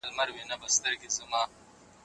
د کډوالو ستونزي د ډیپلوماسۍ له لاري حل کیږي.